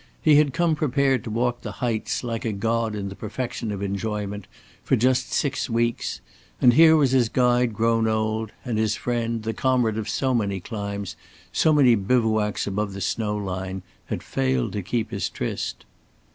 He had come prepared to walk the heights like a god in the perfection of enjoyment for just six weeks. And here was his guide grown old; and his friend, the comrade of so many climbs, so many bivouacs above the snow line, had failed to keep his tryst.